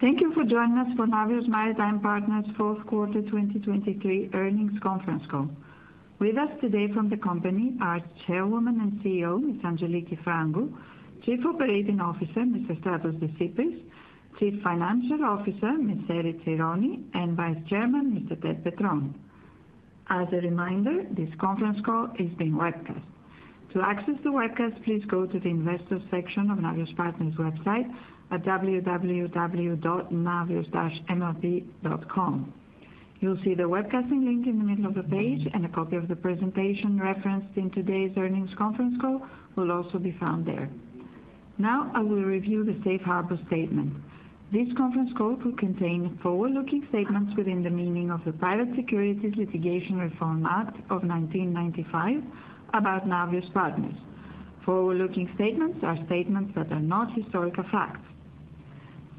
Thank you for joining us for Navios Maritime Partners' Fourth Quarter 2023 Earnings Conference Call. With us today from the company are Chairwoman and CEO, Ms. Angeliki Frangou, Chief Operating Officer, Mr. Efstratios Desypris, Chief Financial Officer, Ms. Erifili Tsironi, and Vice Chairman, Mr. Ted Petrone. As a reminder, this conference call is being webcast. To access the webcast, please go to the Investors section of Navios Partners' website at www.navios-mlp.com. You'll see the webcasting link in the middle of the page, and a copy of the presentation referenced in today's earnings conference call will also be found there. Now I will review the Safe Harbor Statement. This conference call will contain forward-looking statements within the meaning of the Private Securities Litigation Reform Act of 1995 about Navios Partners. Forward-looking statements are statements that are not historical facts.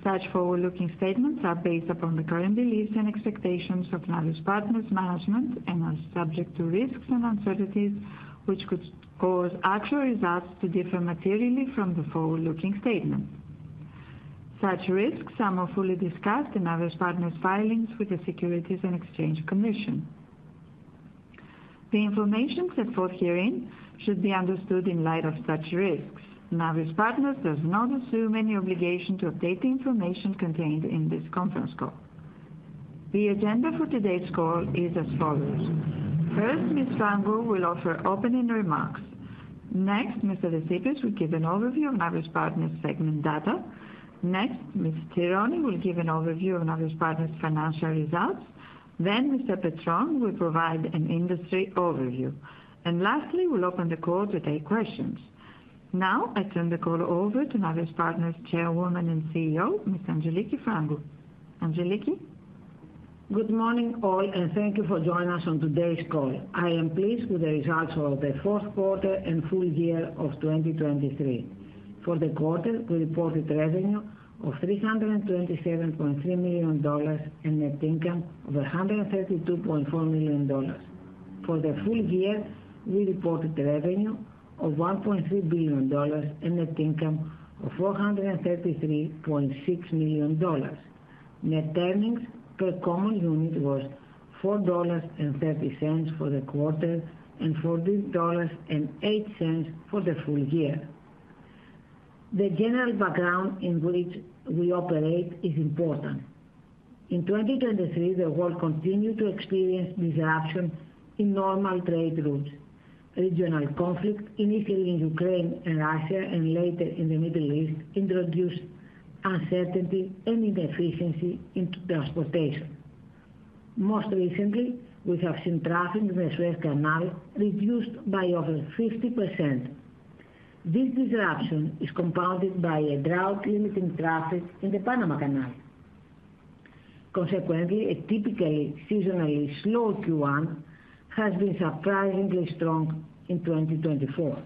Such forward-looking statements are based upon the current beliefs and expectations of Navios Partners' management and are subject to risks and uncertainties which could cause actual results to differ materially from the forward-looking statement. Such risks, some are fully discussed in Navios Partners' filings with the Securities and Exchange Commission. The information set forth herein should be understood in light of such risks. Navios Partners does not assume any obligation to update the information contained in this conference call. The agenda for today's call is as follows. First, Ms. Frangou will offer opening remarks. Next, Mr. Desypris will give an overview of Navios Partners' segment data. Next, Ms. Tsironi will give an overview of Navios Partners' financial results. Then Mr. Petrone will provide an industry overview. And lastly, we'll open the call to take questions. Now I turn the call over to Navios Partners' Chairwoman and CEO, Ms. Angeliki Frangou. Angeliki? Good morning all, and thank you for joining us on today's call. I am pleased with the results of the fourth quarter and full year of 2023. For the quarter, we reported revenue of $327.3 million and net income of $132.4 million. For the full year, we reported revenue of $1.3 billion and net income of $433.6 million. Net earnings per common unit was $4.30 for the quarter and $40.08 for the full year. The general background in which we operate is important. In 2023, the world continued to experience disruption in normal trade routes. Regional conflict, initially in Ukraine and Russia and later in the Middle East, introduced uncertainty and inefficiency in transportation. Most recently, we have seen traffic in the Suez Canal reduced by over 50%. This disruption is compounded by a drought limiting traffic in the Panama Canal. Consequently, a typically seasonally slow Q1 has been surprisingly strong in 2024.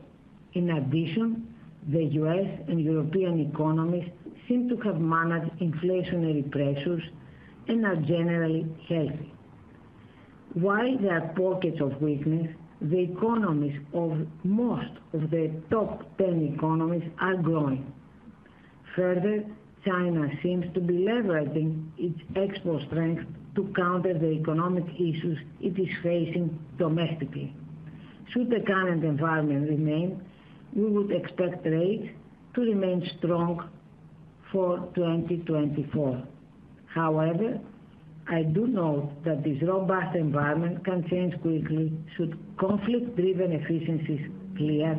In addition, the U.S. and European economies seem to have managed inflationary pressures and are generally healthy. While there are pockets of weakness, the economies of most of the top 10 economies are growing. Further, China seems to be leveraging its export strength to counter the economic issues it is facing domestically. Should the current environment remain, we would expect rates to remain strong for 2024. However, I do note that this robust environment can change quickly should conflict-driven efficiencies clear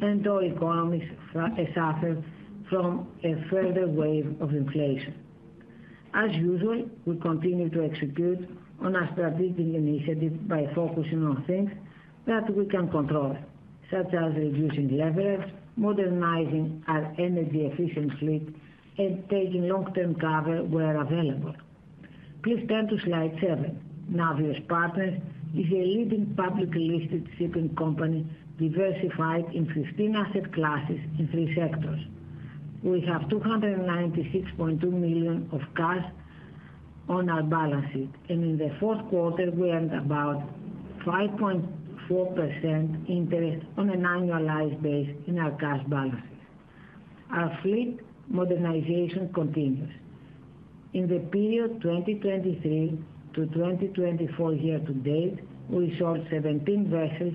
and all economies suffer from a further wave of inflation. As usual, we continue to execute on our strategic initiative by focusing on things that we can control, such as reducing leverage, modernizing our energy efficiency fleet, and taking long-term cover where available. Please turn to slide seven. Navios Partners is a leading publicly listed shipping company diversified in 15 asset classes in three sectors. We have $296.2 million of cash on our balance sheet, and in the fourth quarter, we earned about 5.4% interest on an annualized basis in our cash balances. Our fleet modernization continues. In the period 2023 to 2024 year to date, we sold 17 vessels,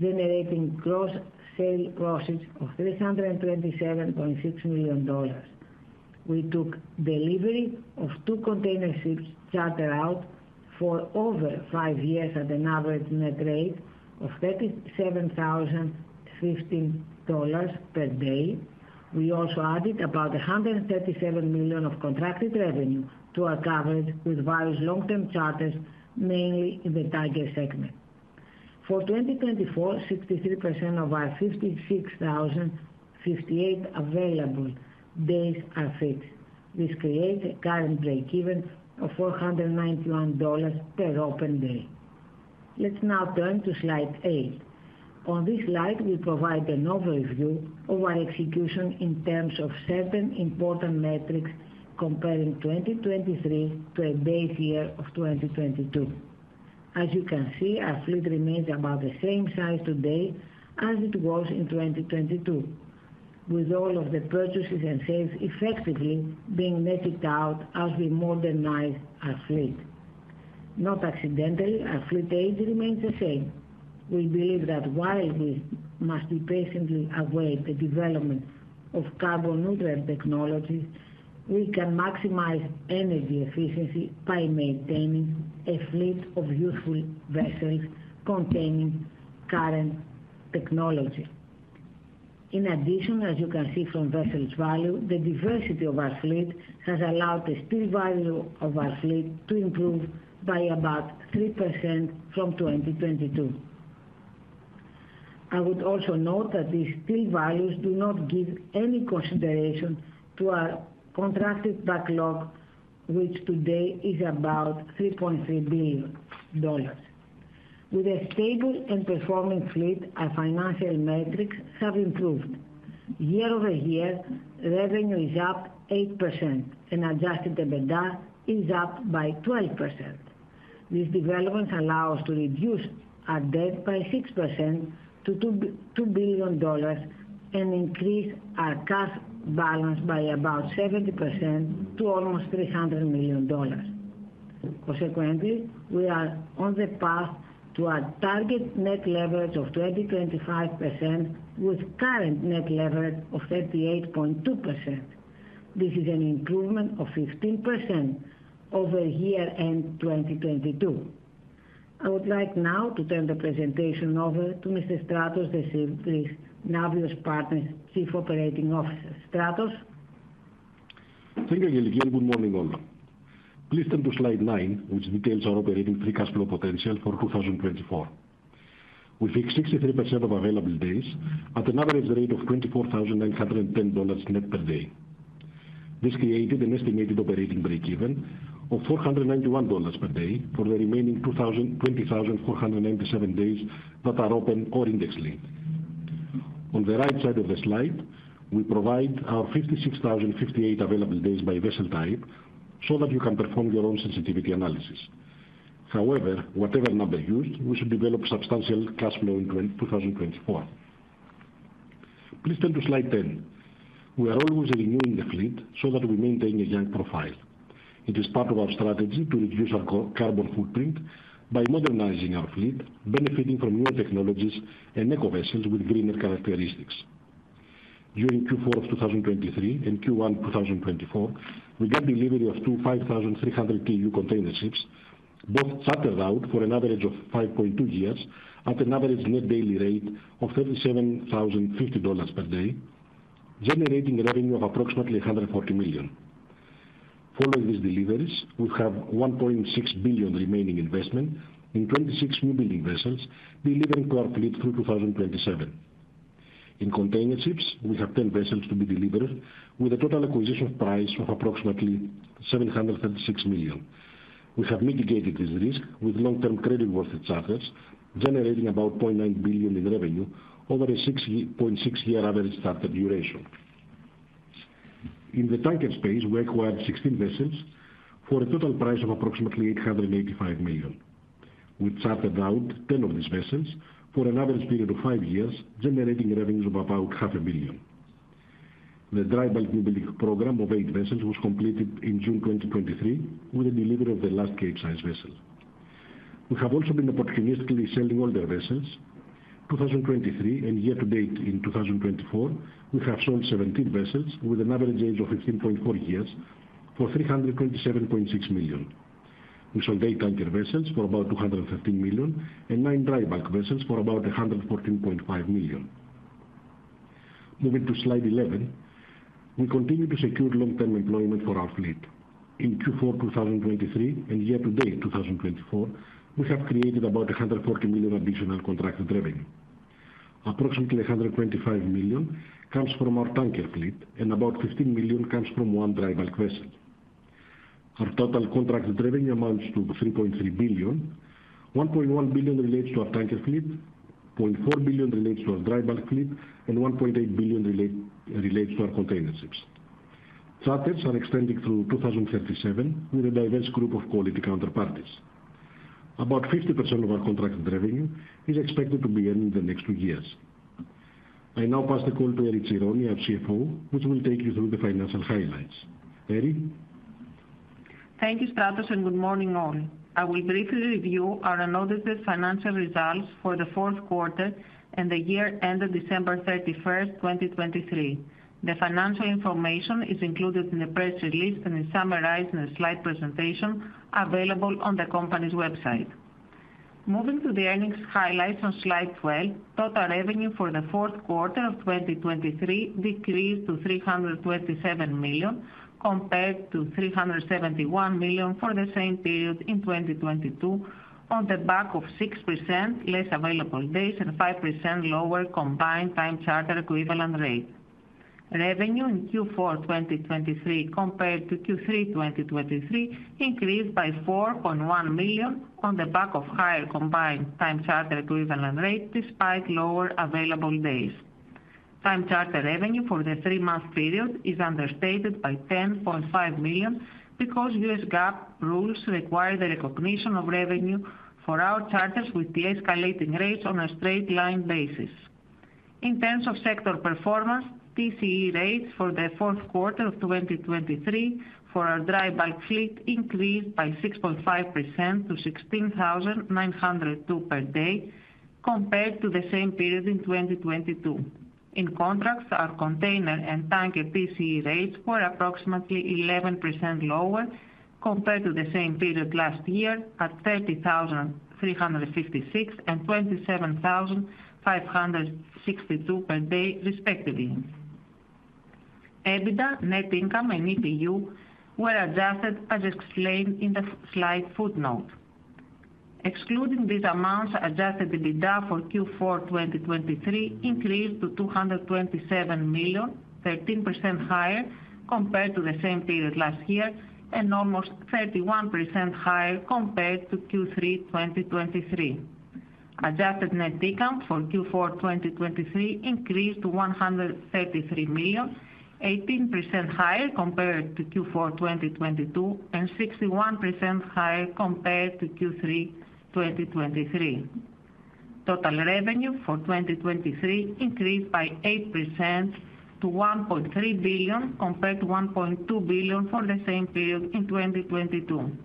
generating gross sales proceeds of $327.6 million. We took delivery of two container ships chartered out for over five years at an average net rate of $37,015 per day. We also added about $137 million of contracted revenue to our coverage with various long-term charters, mainly in the Tanker segment. For 2024, 63% of our 56,058 available days are fixed. This creates a current break-even of $491 per open day. Let's now turn to slide eight. On this slide, we provide an overview of our execution in terms of certain important metrics comparing 2023 to a base year of 2022. As you can see, our fleet remains about the same size today as it was in 2022, with all of the purchases and sales effectively being netted out as we modernize our fleet. Not accidentally, our fleet age remains the same. We believe that while we must patiently await the development of carbon-neutral technologies, we can maximize energy efficiency by maintaining a fleet of useful vessels containing current technology. In addition, as you can see from vessels' value, the diversity of our fleet has allowed the steel value of our fleet to improve by about 3% from 2022. I would also note that these steel values do not give any consideration to our contracted backlog, which today is about $3.3 billion. With a stable and performing fleet, our financial metrics have improved. Year-over-year, revenue is up 8%, and Adjusted EBITDA is up by 12%. This development allows us to reduce our debt by 6% to $2 billion and increase our cash balance by about 70% to almost $300 million. Consequently, we are on the path to our target net leverage of 20% to 25% with current net leverage of 38.2%. This is an improvement of 15% over year-end 2022. I would like now to turn the presentation over to Mr. Efstratios Desypris, Navios Partners' Chief Operating Officer. Efstratios? Thank you, Angeliki, and good morning all. Please turn to slide nine, which details our operating free cash flow potential for 2024. We fixed 63% of available days at an average rate of $24,910 net per day. This created an estimated operating break-even of $491 per day for the remaining 20,497 days that are open or index-linked. On the right side of the slide, we provide our 56,058 available days by vessel type so that you can perform your own sensitivity analysis. However, whatever number used, we should develop substantial cash flow in 2024. Please turn to slide 10. We are always renewing the fleet so that we maintain a young profile. It is part of our strategy to reduce our carbon footprint by modernizing our fleet, benefiting from newer technologies and eco-vessels with greener characteristics. During Q4 of 2023 and Q1 2024, we got delivery of two 5,300 TEU container ships, both chartered out for an average of 5.2 years at an average net daily rate of $37,050 per day, generating revenue of approximately $140 million. Following these deliveries, we have $1.6 billion remaining investment in 26 new-building vessels delivering to our fleet through 2027. In container ships, we have 10 vessels to be delivered, with a total acquisition price of approximately $736 million. We have mitigated this risk with long-term creditworthy charters, generating about $0.9 billion in revenue over a 6.6-year average charter duration. In the tanker space, we acquired 16 vessels for a total price of approximately $885 million, we chartered out 10 of these vessels for an average period of five years, generating revenues of about $500 million. The dry bulk new-building program of eight vessels was completed in June 2023 with the delivery of the last Capesize vessel. We have also been opportunistically selling older vessels. 2023 and year to date in 2024, we have sold 17 vessels with an average age of 15.4 years for $327.6 million. We sold eight tanker vessels for about $215 million and nine dry bulk vessels for about $114.5 million. Moving to slide 11, we continue to secure long-term employment for our fleet. In Q4 2023 and year to date 2024, we have created about $140 million additional contracted revenue. Approximately $125 million comes from our tanker fleet, and about $15 million comes from one dry bulk vessel. Our total contracted revenue amounts to $3.3 billion. $1.1 billion relates to our tanker fleet, $0.4 billion relates to our dry bulk fleet, and $1.8 billion relates to our container ships. Charters are extending through 2037 with a diverse group of quality counterparties. About 50% of our contracted revenue is expected to be earned in the next two years. I now pass the call to Erifili Tsironi, our CFO, which will take you through the financial highlights. Erifili? Thank you, Efstratios, and good morning all. I will briefly review our announced financial results for the fourth quarter and the year ended December 31st, 2023. The financial information is included in the press release and is summarized in a slide presentation available on the company's website. Moving to the earnings highlights on slide 12, total revenue for the fourth quarter of 2023 decreased to $327 million compared to $371 million for the same period in 2022 on the back of 6% less available days and 5% lower combined time charter equivalent rate. Revenue in Q4 2023 compared to Q3 2023 increased by $4.1 million on the back of higher combined time charter equivalent rate despite lower available days. Time charter revenue for the three-month period is understated by $10.5 million because U.S. GAAP rules require the recognition of revenue for our charters with the escalating rates on a straight-line basis. In terms of sector performance, TCE rates for the fourth quarter of 2023 for our dry bulk fleet increased by 6.5% to $16,902 per day compared to the same period in 2022. In contrast, our container and tanker TCE rates were approximately 11% lower compared to the same period last year at $30,356 and $27,562 per day, respectively. EBITDA, net income, and EPU were adjusted as explained in the slide footnote. Excluding these amounts, adjusted EBITDA for Q4 2023 increased to $227 million, 13% higher compared to the same period last year and almost 31% higher compared to Q3 2023. Adjusted net income for Q4 2023 increased to $133 million, 18% higher compared to Q4 2022 and 61% higher compared to Q3 2023. Total revenue for 2023 increased by 8% to $1.3 billion compared to $1.2 billion for the same period in 2022.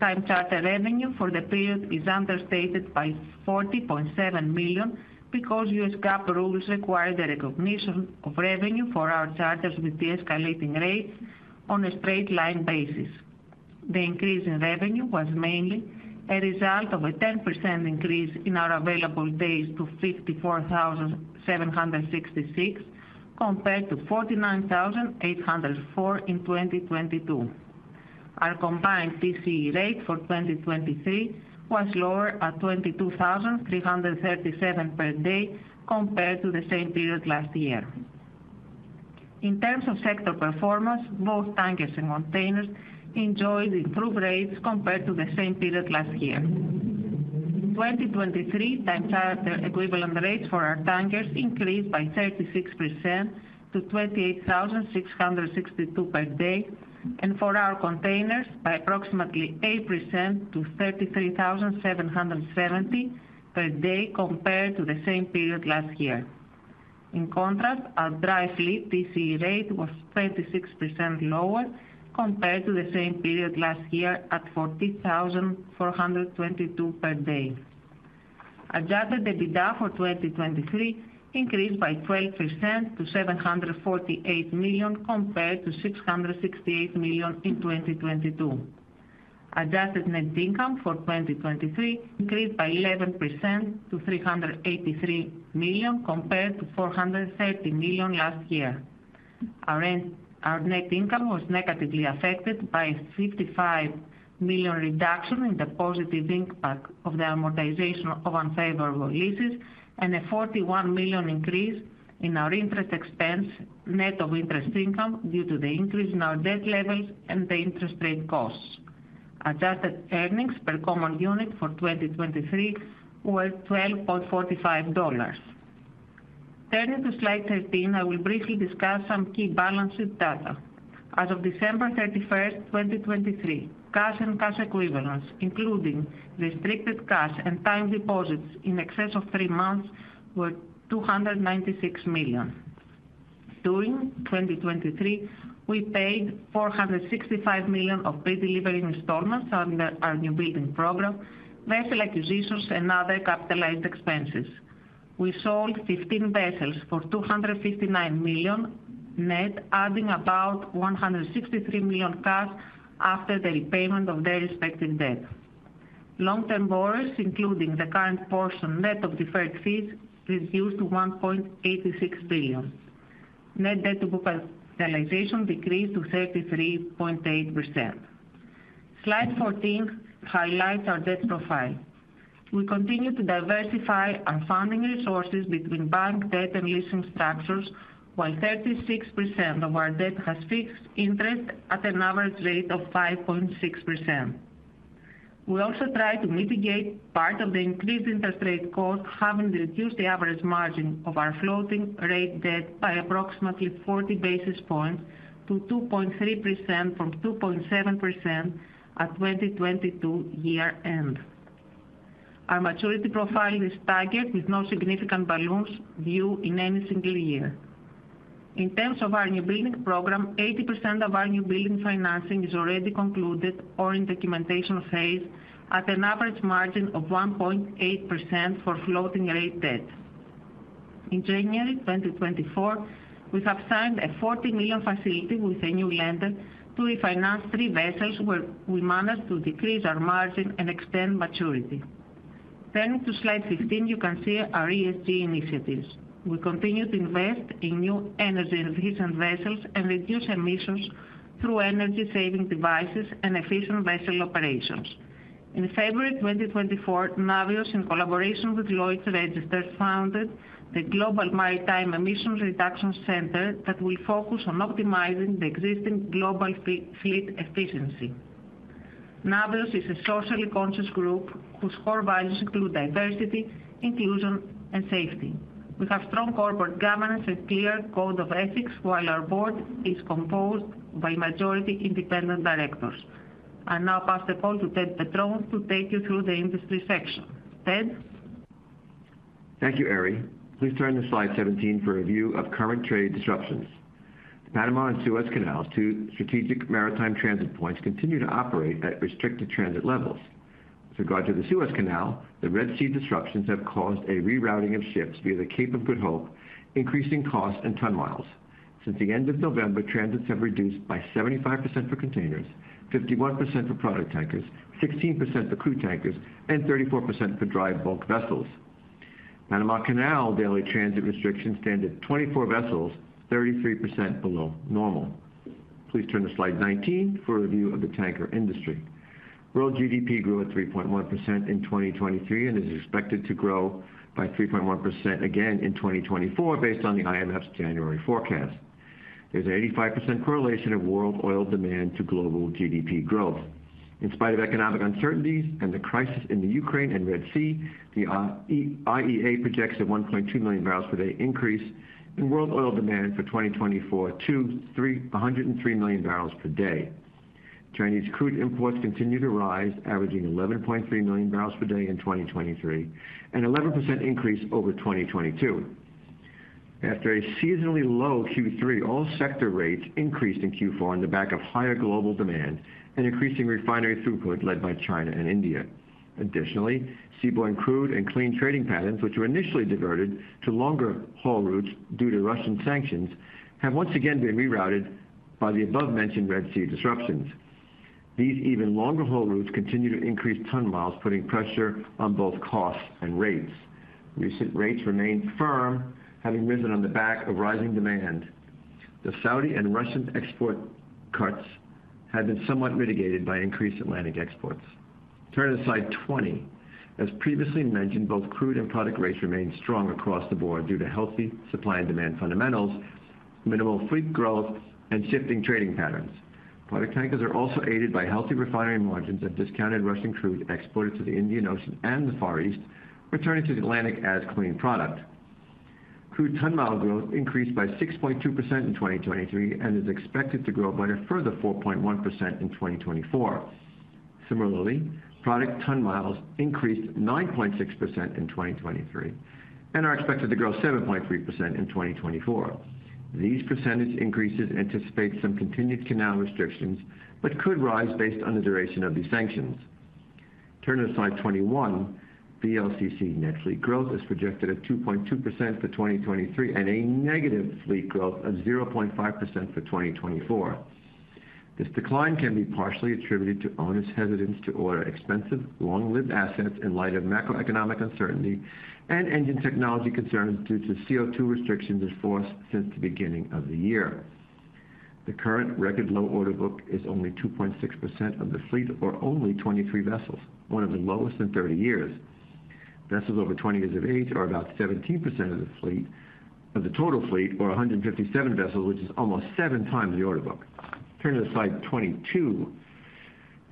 Time charter revenue for the period is understated by $40.7 million because U.S. GAAP rules require the recognition of revenue for our charters with the escalating rate on a straight-line basis. The increase in revenue was mainly a result of a 10% increase in our available days to 54,766 compared to 49,804 in 2022. Our combined TCE rate for 2023 was lower at $22,337 per day compared to the same period last year. In terms of sector performance, both tankers and containers enjoyed improved rates compared to the same period last year. 2023 Time Charter Equivalent rates for our tankers increased by 36% to $28,662 per day and for our containers by approximately 8% to $33,770 per day compared to the same period last year. In contrast, our dry fleet TCE rate was 26% lower compared to the same period last year at $40,422 per day. Adjusted EBITDA for 2023 increased by 12% to $748 million compared to $668 million in 2022. Adjusted net income for 2023 increased by 11% to $383 million compared to $430 million last year. Our net income was negatively affected by a $55 million reduction in the positive impact of the amortization of unfavorable leases and a $41 million increase in our interest expense, net of interest income due to the increase in our debt levels and the interest rate costs. Adjusted earnings per common unit for 2023 were $12.45. Turning to slide 13, I will briefly discuss some key balance sheet data. As of December 31st, 2023, cash and cash equivalents, including restricted cash and time deposits in excess of three months, were $296 million. During 2023, we paid $465 million of pre-delivery installments under our new-building program, vessel acquisitions, and other capitalized expenses. We sold 15 vessels for $259 million net, adding about $163 million cash after the repayment of their respective debt. Long-term borrowings, including the current portion net of deferred fees, reduced to $1.86 billion. Net debt to capitalization decreased to 33.8%. Slide 14 highlights our debt profile. We continue to diversify our funding resources between bank debt and leasing structures, while 36% of our debt has fixed interest at an average rate of 5.6%. We also try to mitigate part of the increased interest rate cost, having reduced the average margin of our floating rate debt by approximately 40 basis points to 2.3% from 2.7% at 2022 year-end. Our maturity profile is staggered with no significant balloons viewed in any single year. In terms of our new-building program, 80% of our new-building financing is already concluded or in documentation phase at an average margin of 1.8% for floating rate debt. In January 2024, we have signed a $40 million facility with a new lender to refinance three vessels where we managed to decrease our margin and extend maturity. Turning to slide 15, you can see our ESG initiatives. We continue to invest in new energy-efficient vessels and reduce emissions through energy-saving devices and efficient vessel operations. In February 2024, Navios, in collaboration with Lloyd's Register, founded the Global Maritime Emissions Reduction Centre that will focus on optimizing the existing global fleet efficiency. Navios is a socially conscious group whose core values include diversity, inclusion, and safety. We have strong corporate governance and a clear code of ethics, while our board is composed by a majority independent directors. I now pass the call to Ted Petrone to take you through the industry section. Ted? Thank you, Erifili. Please turn to slide 17 for a view of current trade disruptions. The Panama and Suez Canals, two strategic maritime transit points, continue to operate at restricted transit levels. With regard to the Suez Canal, the Red Sea disruptions have caused a rerouting of ships via the Cape of Good Hope, increasing costs and ton miles. Since the end of November, transits have reduced by 75% for containers, 51% for product tankers, 16% for crude tankers, and 34% for dry bulk vessels. Panama Canal daily transit restrictions stand at 24 vessels, 33% below normal. Please turn to slide 19 for a view of the tanker industry. World GDP grew at 3.1% in 2023 and is expected to grow by 3.1% again in 2024 based on the IMF's January forecast. There's an 85% correlation of world oil demand to global GDP growth. In spite of economic uncertainties and the crisis in Ukraine and Red Sea, the IEA projects a 1.2 MMbpd increase in world oil demand for 2024 to 103 MMbpd. Chinese crude imports continue to rise, averaging 11.3 MMbpd in 2023, an 11% increase over 2022. After a seasonally low Q3, all sector rates increased in Q4 on the back of higher global demand and increasing refinery throughput led by China and India. Additionally, seaborne crude and clean trading patterns, which were initially diverted to longer haul routes due to Russian sanctions, have once again been rerouted by the above-mentioned Red Sea disruptions. These even longer haul routes continue to increase ton miles, putting pressure on both costs and rates. Recent rates remain firm, having risen on the back of rising demand. The Saudi and Russian export cuts have been somewhat mitigated by increased Atlantic exports. Turning to slide 20, as previously mentioned, both crude and product rates remain strong across the board due to healthy supply and demand fundamentals, minimal fleet growth, and shifting trading patterns. Product tankers are also aided by healthy refinery margins of discounted Russian crude exported to the Indian Ocean and the Far East, returning to the Atlantic as clean product. Crude ton mile growth increased by 6.2% in 2023 and is expected to grow by a further 4.1% in 2024. Similarly, product ton miles increased 9.6% in 2023 and are expected to grow 7.3% in 2024. These percentage increases anticipate some continued canal restrictions but could rise based on the duration of these sanctions. Turning to slide 21, BLCC net fleet growth is projected at 2.2% for 2023 and a negative fleet growth of 0.5% for 2024. This decline can be partially attributed to owners' hesitance to order expensive, long-lived assets in light of macroeconomic uncertainty and engine technology concerns due to CO2 restrictions enforced since the beginning of the year. The current record low order book is only 2.6% of the fleet or only 23 vessels, one of the lowest in 30 years. Vessels over 20 years of age are about 17% of the total fleet or 157 vessels, which is almost 7x the order book. Turning to slide 22,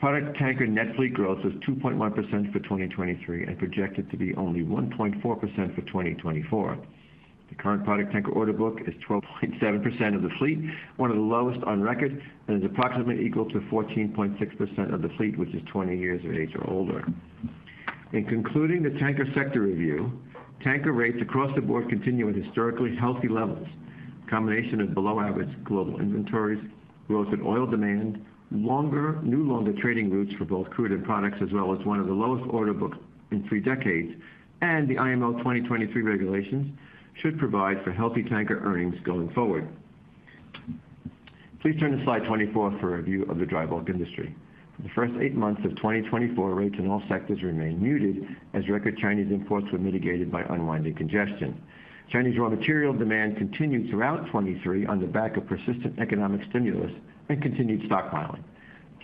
product tanker net fleet growth was 2.1% for 2023 and projected to be only 1.4% for 2024. The current product tanker order book is 12.7% of the fleet, one of the lowest on record, and is approximately equal to 14.6% of the fleet, which is 20 years of age or older. In concluding the tanker sector review, tanker rates across the board continue at historically healthy levels. A combination of below-average global inventories, growth in oil demand, new longer trading routes for both crude and products, as well as one of the lowest order books in three decades, and the IMO 2023 regulations should provide for healthy tanker earnings going forward. Please turn to slide 24 for a view of the dry bulk industry. For the first eight months of 2024, rates in all sectors remain muted as record Chinese imports were mitigated by unwinding congestion. Chinese raw material demand continued throughout 2023 on the back of persistent economic stimulus and continued stockpiling.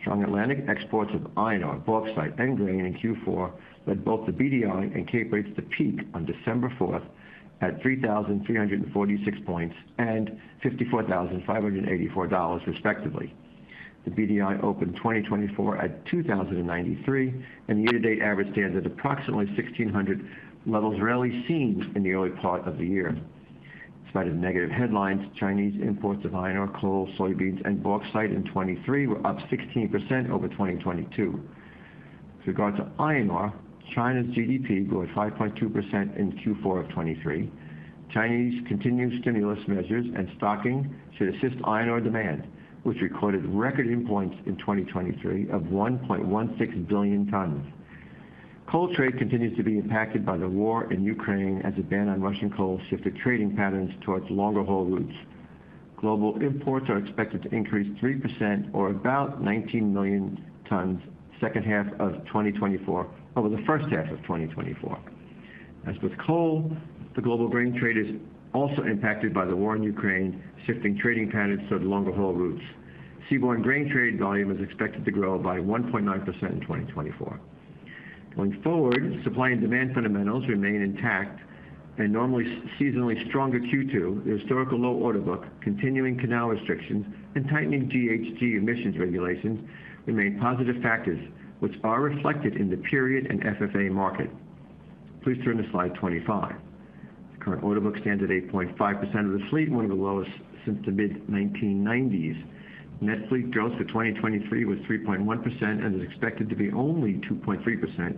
Strong Atlantic exports of iron, bauxite, and grain in Q4 led both the BDI and Capesize rates to peak on December 4th at 3,346 points and $54,584, respectively. The BDI opened 2024 at 2,093, and the year-to-date average stands at approximately 1,600 levels, rarely seen in the early part of the year. In spite of negative headlines, Chinese imports of iron, coal, soybeans, and bauxite in 2023 were up 16% over 2022. With regard to iron, China's GDP grew at 5.2% in Q4 of 2023. Chinese continued stimulus measures and stocking should assist iron demand, which recorded record imports in 2023 of 1.16 billion tons. Coal trade continues to be impacted by the war in Ukraine as a ban on Russian coal shifted trading patterns towards longer haul routes. Global imports are expected to increase 3% or about 19 million tons second half of 2024 over the first half of 2024. As with coal, the global grain trade is also impacted by the war in Ukraine shifting trading patterns toward longer haul routes. Seaborne grain trade volume is expected to grow by 1.9% in 2024. Going forward, supply and demand fundamentals remain intact, and normally seasonally stronger Q2, the historical low order book, continuing canal restrictions, and tightening GHG emissions regulations remain positive factors, which are reflected in the period and FFA market. Please turn to slide 25. The current order book stands at 8.5% of the fleet, one of the lowest since the mid-1990s. Net fleet growth for 2023 was 3.1% and is expected to be only 2.3%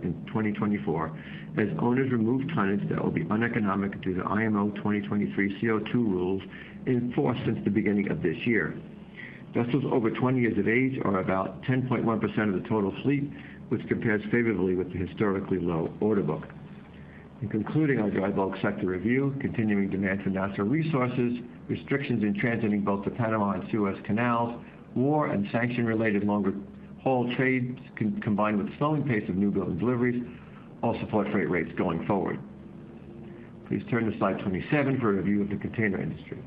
in 2024 as owners remove tonnage that will be uneconomic due to IMO 2023 CO2 rules enforced since the beginning of this year. Vessels over 20 years of age are about 10.1% of the total fleet, which compares favorably with the historically low order book. In concluding our dry bulk sector review, continuing demand for natural resources, restrictions in transiting both the Panama Canal and Suez Canal, war and sanction-related longer haul trade combined with the slowing pace of new-building deliveries all support freight rates going forward. Please turn to slide 27 for a view of the container industry.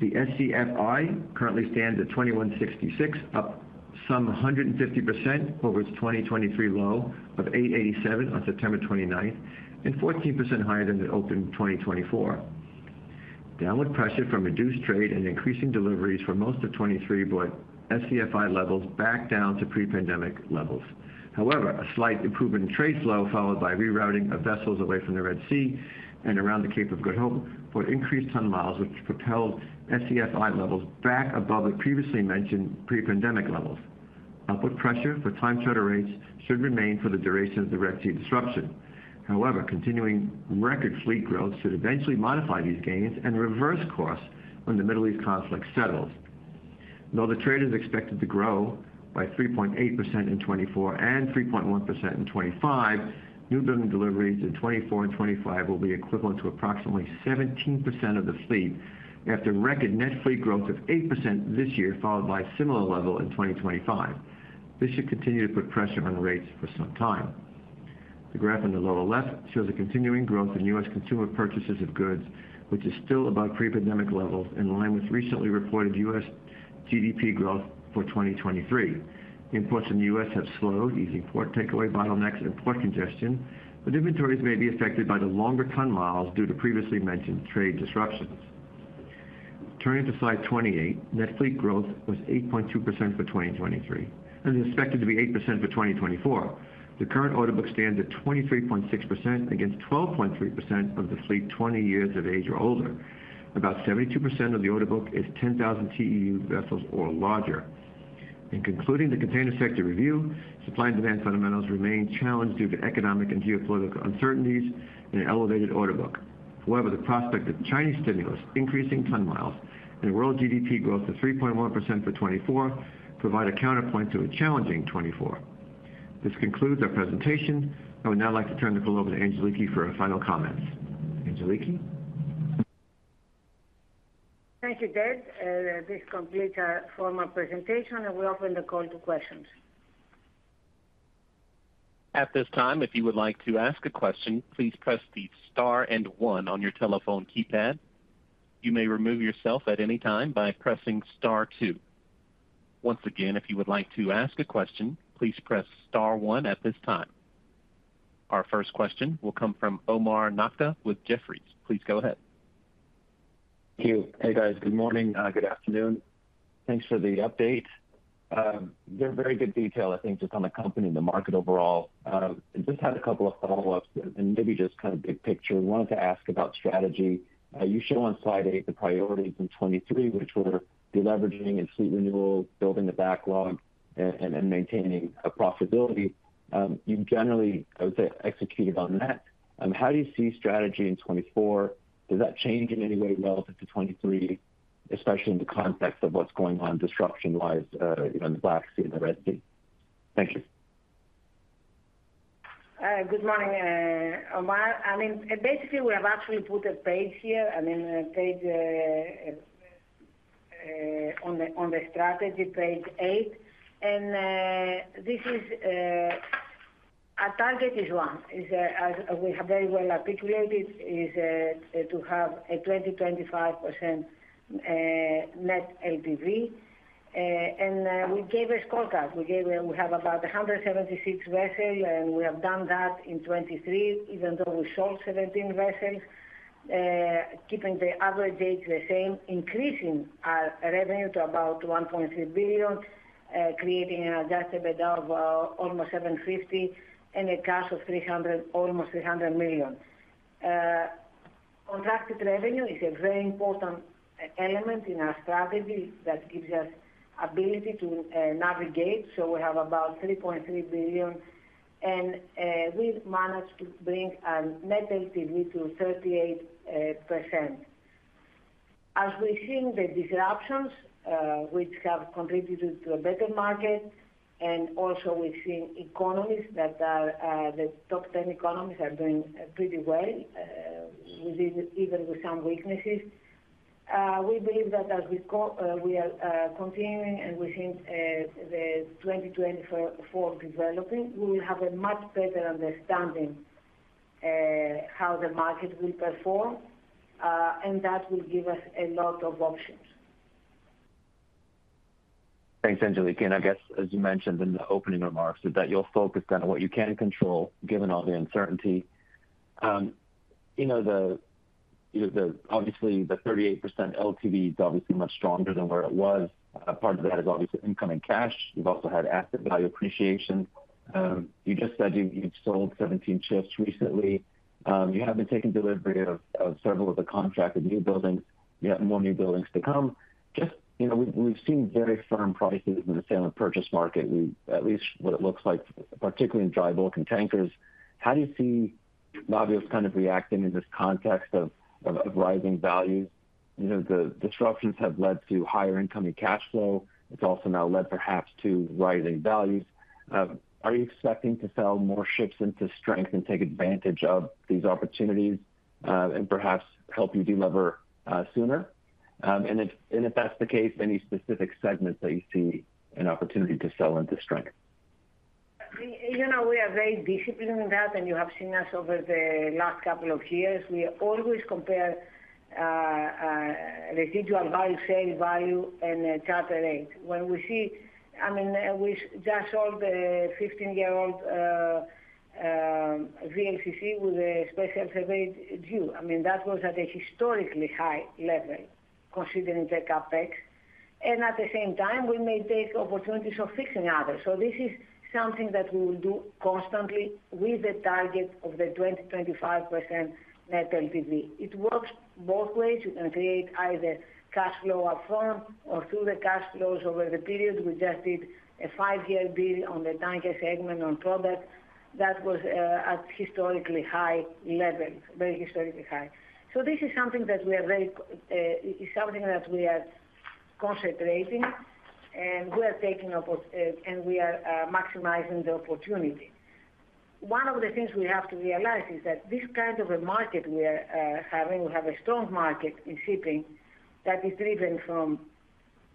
The SCFI currently stands at 2,166, up some 150% over its 2023 low of 887 on September 29th and 14% higher than it opened 2024. Downward pressure from reduced trade and increasing deliveries for most of 2023 brought SCFI levels back down to pre-pandemic levels. However, a slight improvement in trade flow followed by rerouting of vessels away from the Red Sea and around the Cape of Good Hope brought increased ton miles, which propelled SCFI levels back above the previously mentioned pre-pandemic levels. Upward pressure for time charter rates should remain for the duration of the Red Sea disruption. However, continuing record fleet growth should eventually modify these gains and reverse costs when the Middle East conflict settles. Though the trade is expected to grow by 3.8% in 2024 and 3.1% in 2025, new-building deliveries in 2024 and 2025 will be equivalent to approximately 17% of the fleet after record net fleet growth of 8% this year followed by a similar level in 2025. This should continue to put pressure on rates for some time. The graph on the lower left shows a continuing growth in U.S. consumer purchases of goods, which is still above pre-pandemic levels in line with recently reported U.S. GDP growth for 2023. Imports from the U.S. have slowed, easing port takeaway bottlenecks and port congestion, but inventories may be affected by the longer ton miles due to previously mentioned trade disruptions. Turning to slide 28, net fleet growth was 8.2% for 2023 and is expected to be 8% for 2024. The current order book stands at 23.6% against 12.3% of the fleet 20 years of age or older. About 72% of the order book is 10,000 TEU vessels or larger. In concluding the container sector review, supply and demand fundamentals remain challenged due to economic and geopolitical uncertainties and elevated order book. However, the prospect of Chinese stimulus, increasing ton miles, and world GDP growth of 3.1% for 2024 provide a counterpoint to a challenging 2024. This concludes our presentation. I would now like to turn the call over to Angeliki for her final comments. Angeliki? Thank you, Ted. This completes our formal presentation, and we open the call to questions. At this time, if you would like to ask a question, please press the star and one on your telephone keypad. You may remove yourself at any time by pressing star two. Once again, if you would like to ask a question, please press star one at this time. Our first question will come from Omar Nokta with Jefferies. Please go ahead. Thank you. Hey, guys. Good morning. Good afternoon. Thanks for the update. There's very good detail, I think, just on the company and the market overall. I just had a couple of follow-ups and maybe just kind of big picture. I wanted to ask about strategy. You show on slide eight the priorities in 2023, which were deleveraging and fleet renewal, building a backlog, and maintaining profitability. You generally, I would say, executed on that. How do you see strategy in 2024? Does that change in any way relative to 2023, especially in the context of what's going on disruption-wise in the Black Sea and the Red Sea? Thank you. Good morning, Omar. I mean, basically, we have actually put a page here, I mean, a page on the strategy, page eight. Our target is 25%. We have very well articulated it is to have a 25% net LTV. We gave a scorecard. We have about 176 vessels, and we have done that in 2023 even though we sold 17 vessels, keeping the average age the same, increasing our revenue to about $1.3 billion, creating an Adjusted EBITDA of almost $750 million, and cash of almost $300 million. Contracted revenue is a very important element in our strategy that gives us ability to navigate. So we have about $3.3 billion, and we managed to bring our net LTV to 38%. As we're seeing the disruptions, which have contributed to a better market, and also we've seen economies that are the top 10 economies are doing pretty well, even with some weaknesses, we believe that as we are continuing and we see the 2024 developing, we will have a much better understanding of how the market will perform, and that will give us a lot of options. Thanks, Angeliki. I guess, as you mentioned in the opening remarks, that you'll focus kind of what you can control given all the uncertainty. Obviously, the 38% LTV is obviously much stronger than where it was. Part of that is obviously incoming cash. You've also had asset value appreciation. You just said you've sold 17 ships recently. You have been taking delivery of several of the contracted new buildings. You have more new buildings to come. We've seen very firm prices in the sale and purchase market, at least what it looks like, particularly in dry bulk and tankers. How do you see Navios kind of reacting in this context of rising values? The disruptions have led to higher incoming cash flow. It's also now led, perhaps, to rising values. Are you expecting to sell more ships into strength and take advantage of these opportunities and perhaps help you deliver sooner? And if that's the case, any specific segments that you see an opportunity to sell into strength? We are very disciplined in that, and you have seen us over the last couple of years. We always compare residual value, sale value, and charter rate. I mean, we just sold the 15-year-old VLCC with a special survey due. I mean, that was at a historically high level considering the CapEx. And at the same time, we may take opportunities of fixing others. So this is something that we will do constantly with the target of the 20-25% net LTV. It works both ways. You can create either cash flow upfront or through the cash flows over the period. We just did a five-year deal on the tanker segment on product. That was at historically high levels, very historically high. So this is something that we are very, it's something that we are concentrating, and we are taking and we are maximizing the opportunity. One of the things we have to realize is that this kind of a market we are having we have a strong market in shipping that is driven from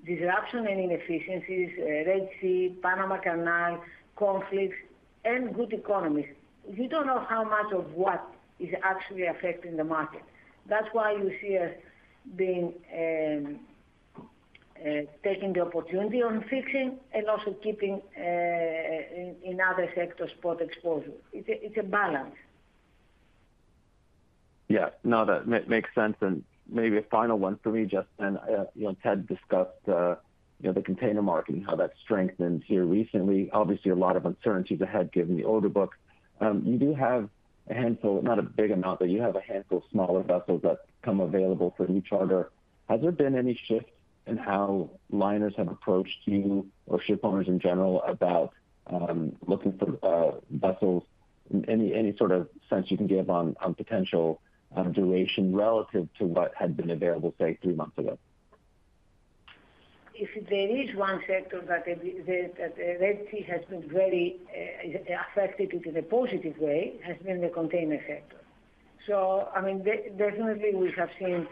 disruption and inefficiencies, Red Sea, Panama Canal, conflicts, and good economies. You don't know how much of what is actually affecting the market. That's why you see us taking the opportunity on fixing and also keeping in other sectors spot exposure. It's a balance. Yeah. No, that makes sense. And maybe a final one for me, Just on. Ted discussed the container market and how that strengthened here recently. Obviously, a lot of uncertainties ahead given the order book. You do have a handful not a big amount, but you have a handful of smaller vessels that come available for new charter. Has there been any shift in how liners have approached you or shipowners in general about looking for vessels? Any sort of sense you can give on potential duration relative to what had been available, say, three months ago? If there is one sector that the Red Sea has been very affected in a positive way, has been the container sector. So I mean, definitely, we have seen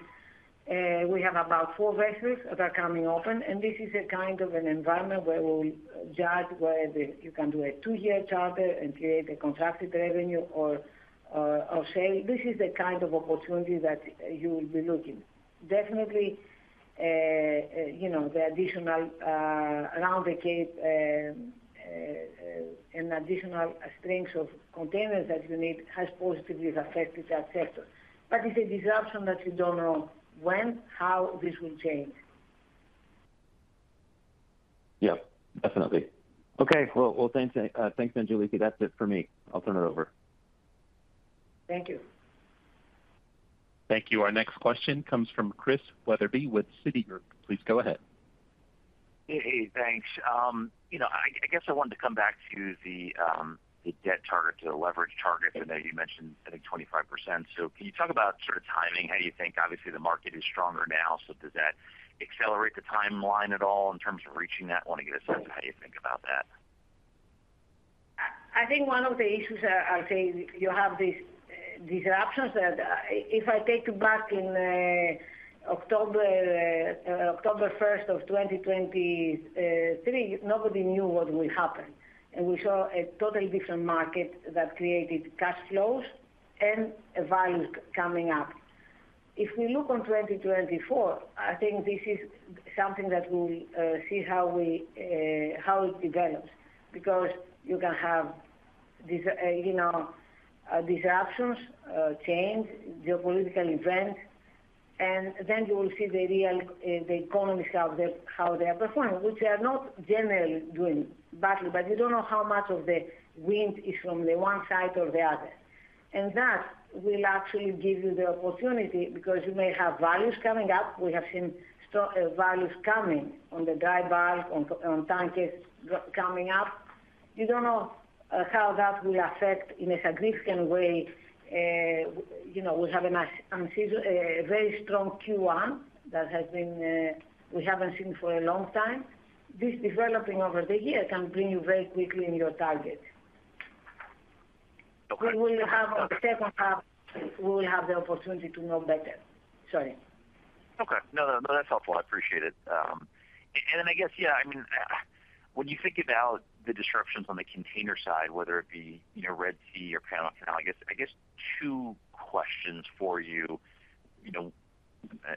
we have about four vessels that are coming open, and this is a kind of an environment where we'll judge whether you can do a two-year charter and create a contracted revenue or sale. This is the kind of opportunity that you will be looking. Definitely, the additional around the Cape and additional strings of containers that you need has positively affected that sector. But it's a disruption that you don't know when, how this will change. Yep. Definitely. Okay. Well, thanks, Angeliki. That's it for me. I'll turn it over. Thank you. Thank you. Our next question comes from Chris Wetherbee with Citi. Please go ahead. Hey, hey. Thanks. I guess I wanted to come back to the debt target, to the leverage target. I know you mentioned, I think, 25%. So can you talk about sort of timing? How do you think, obviously, the market is stronger now, so does that accelerate the timeline at all in terms of reaching that? I want to get a sense of how you think about that. I think one of the issues, I'll say, you have these disruptions that if I take back October 1st of 2023, nobody knew what will happen. And we saw a totally different market that created cash flows and values coming up. If we look on 2024, I think this is something that we'll see how it develops because you can have disruptions, change, geopolitical events, and then you will see the economies how they are performing, which are not generally doing badly, but you don't know how much of the wind is from the one side or the other. And that will actually give you the opportunity because you may have values coming up. We have seen values coming on the dry bulk, on tankers coming up. You don't know how that will affect in a significant way. We have a very strong Q1 that we haven't seen for a long time. This developing over the year can bring you very quickly in your target. We will have on the second half, we will have the opportunity to know better. Sorry. Okay. No, no, no. That's helpful. I appreciate it. And then I guess, yeah, I mean, when you think about the disruptions on the container side, whether it be Red Sea or Panama Canal, I guess two questions for you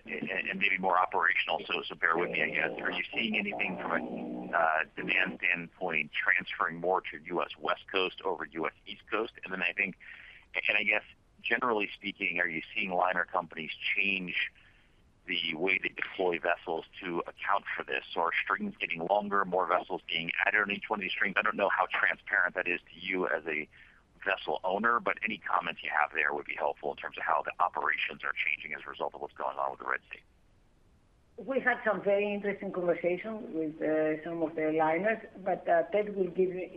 and maybe more operational, so bear with me, I guess. Are you seeing anything from a demand standpoint transferring more to U.S. West Coast over U.S. East Coast? And then I think and I guess, generally speaking, are you seeing liner companies change the way they deploy vessels to account for this? So are strings getting longer, more vessels being added on each one of these strings? I don't know how transparent that is to you as a vessel owner, but any comments you have there would be helpful in terms of how the operations are changing as a result of what's going on with the Red Sea. We had some very interesting conversations with some of the liners, but Ted will give you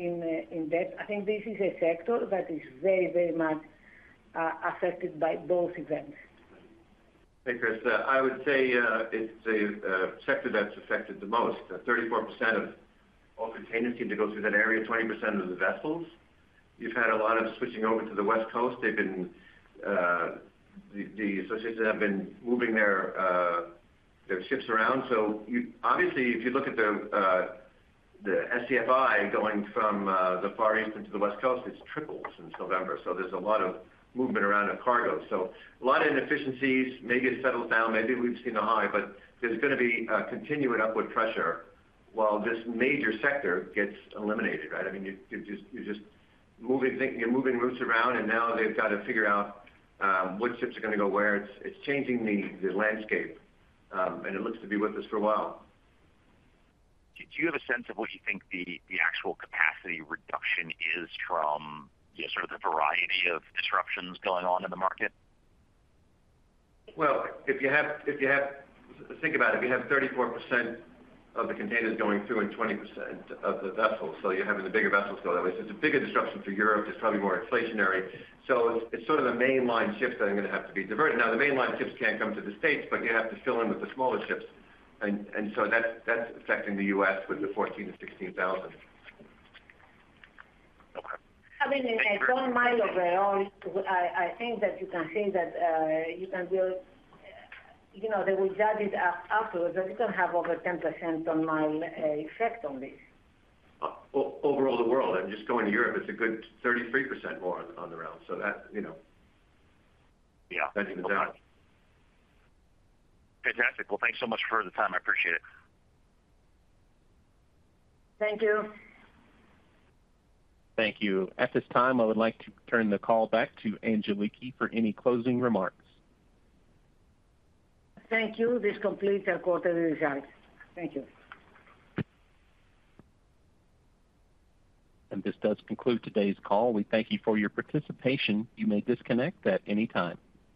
in depth. I think this is a sector that is very, very much affected by both events. Hey, Chris. I would say it's a sector that's affected the most. 34% of all containers seem to go through that area, 20% of the vessels. You've had a lot of switching over to the West Coast. The associations have been moving their ships around. So obviously, if you look at the SCFI going from the Far East into the West Coast, it's tripled since November. So there's a lot of movement around of cargo. So a lot of inefficiencies. Maybe it settles down. Maybe we've seen a high, but there's going to be continued upward pressure while this major sector gets eliminated, right? I mean, you're just moving routes around, and now they've got to figure out what ships are going to go where. It's changing the landscape, and it looks to be with us for a while. Do you have a sense of what you think the actual capacity reduction is from sort of the variety of disruptions going on in the market? Well, if you think about it. If you have 34% of the containers going through and 20% of the vessels so you're having the bigger vessels go that way. So it's a bigger disruption for Europe. It's probably more inflationary. So it's sort of the mainline ships that are going to have to be diverted. Now, the mainline ships can't come to the States, but you have to fill in with the smaller ships. And so that's affecting the U.S. with the 14,000 to 16,000. Okay. Having a ton-mile overall, I think that you can see that you can build. They will judge it afterwards, but you don't have over 10% ton-mile effect on this. Overall, the world. I mean, just going to Europe, it's a good 33% more on the round. So that's even better. Yeah. Okay. Fantastic. Well, thanks so much for the time. I appreciate it. Thank you. Thank you. At this time, I would like to turn the call back to Angeliki for any closing remarks. Thank you. This completes our quarterly results. Thank you. This does conclude today's call. We thank you for your participation. You may disconnect at any time.